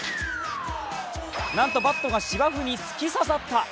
なんとバットが芝生に突き刺さった。